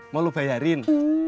mau lu bayarin